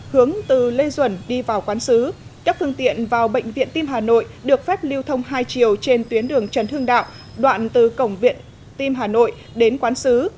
hướng từ lê duẩn đi vào quán xứ các phương tiện vào bệnh viện tim hà nội được phép lưu thông hai chiều trên tuyến đường trần hưng đạo đoạn từ cổng viện tim hà nội đến quán xứ